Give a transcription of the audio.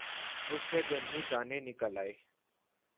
اسے گرمی دانے نکل آئے